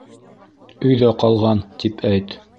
Өйҙә ҡалған, тип әйт.